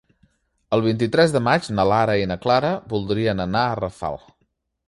El vint-i-tres de maig na Lara i na Clara voldrien anar a Rafal.